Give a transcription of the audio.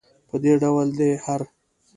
په دې ډول دی هر.